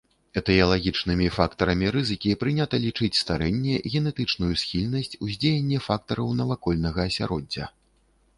Этыялагічнымі фактарамі рызыкі прынята лічыць старэнне, генетычную схільнасць, уздзеянне фактараў навакольнага асяроддзя.